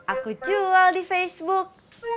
aku jual di facebook